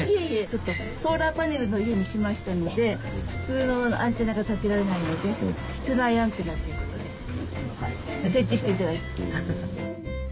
ちょっとソーラーパネルの家にしましたので普通のアンテナが立てられないので室内アンテナっていうことで設置して頂いた。